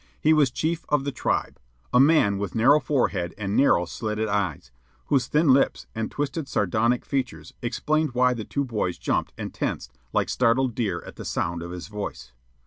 He was chief of the tribe, a man with narrow forehead and narrow slitted eyes, whose thin lips and twisted sardonic features explained why the two boys jumped and tensed like startled deer at the sound of his voice.